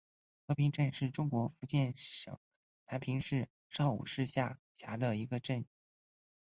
和平镇是中国福建省南平市邵武市下辖的一个镇。